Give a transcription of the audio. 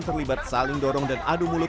terlibat saling dorong dan adu mulut